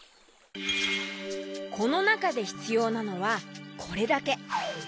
このなかでひつようなのはこれだけ。